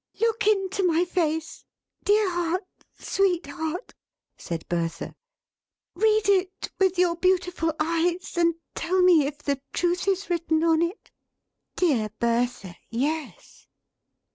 "Look into my face, Dear heart, Sweet heart!" said Bertha. "Read it with your beautiful eyes, and tell me if the Truth is written on it." "Dear Bertha, Yes!"